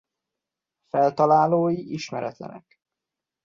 Feltalálói ismeretlenek.